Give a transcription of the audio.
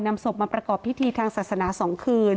ศพมาประกอบพิธีทางศาสนา๒คืน